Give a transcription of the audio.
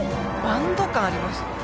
バンド感ありますよ。